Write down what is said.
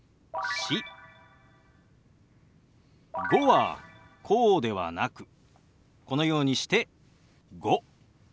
「５」はこうではなくこのようにして「５」。